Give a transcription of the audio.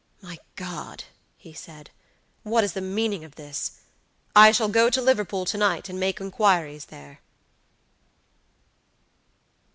"My God!" he said, "what is the meaning of this? I shall go to Liverpool to night, and make inquiries there!"